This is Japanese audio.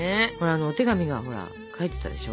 お手紙がほら書いてたでしょ。